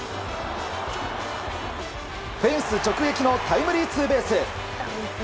フェンス直撃のタイムリーツーベース。